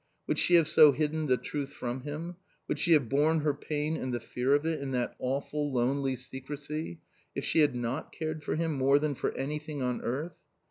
Would she have so hidden the truth from him, would she have borne her pain and the fear of it, in that awful lonely secrecy, if she had not cared for him more than for anything on earth?